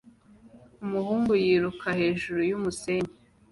umuhungu yiruka hejuru yumusenyi